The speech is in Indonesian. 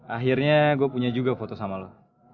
akhirnya gue punya juga foto sama lo